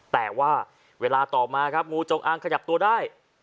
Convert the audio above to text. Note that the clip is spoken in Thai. แต่ว่าเวลาต่อมาครับงูจงอางขยับตัวได้